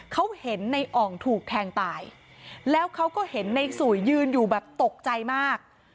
เขาเห็นในอ่องถูกแทงตายแล้วเขาก็เห็นในสุยยืนอยู่แบบตกใจมาก